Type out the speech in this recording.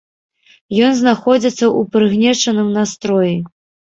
Ён знаходзіцца ў прыгнечаным настроі.